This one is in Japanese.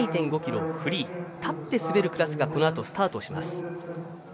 ｋｍフリー立って滑るクラスがこのあとスタートします。